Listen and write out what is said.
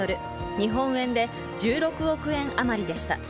日本円で１６億円余りでした。